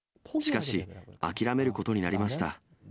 しかし、諦めることになりました。